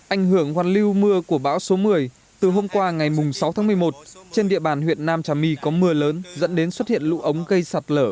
anh hưởng hoàn lưu mưa của bão số một mươi từ hôm qua ngày sáu tháng một mươi một trên địa bàn huyện nam trà my có mưa lớn dẫn đến xuất hiện lũ ống gây sạt lở